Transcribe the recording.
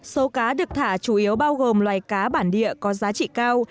số cá được thả chủ yếu bao gồm loài cá bản địa có giá trị cao